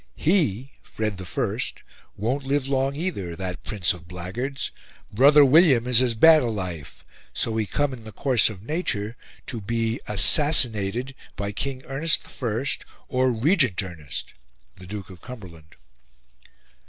He (Fred. I) won't live long either; that Prince of Blackguards, 'Brother William,' is as bad a life, so we come in the course of nature to be ASSASSINATED by King Ernest I or Regent Ernest (the Duke of Cumberland)."